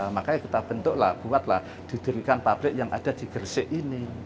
makanya kita bentuklah buatlah didirikan pabrik yang ada di gresik ini